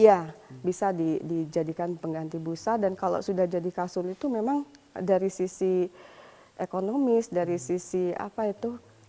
iya bisa dijadikan pengganti busa dan kalau sudah jadi kasur itu memang dari sisi ekonomis dari sisi apa itu